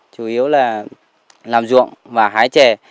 chủ yếu là làm ruộng và hái trè